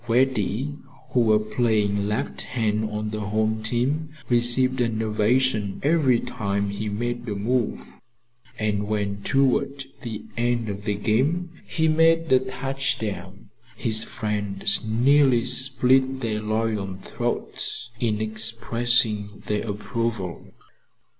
Reddy, who was playing left end on the home team, received an ovation every time he made a move, and when towards the end of the game he made a touchdown, his friends nearly split their loyal throats in expressing their approval.